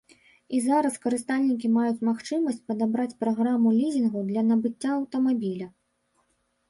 І зараз карыстальнікі маюць магчымасць падабраць праграму лізінгу для набыцця аўтамабіля.